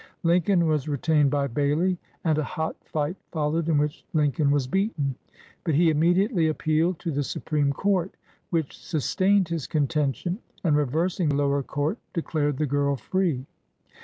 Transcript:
Lincoln was retained b}^ Bailey, and a hot fight followed in which Lincoln was beaten; but he immediately appealed to the Supreme Court, which sustained his contention and, reversing the lower court, declared the girl free.